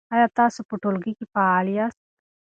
آیا تاسو په ټولګي کې فعال یاست؟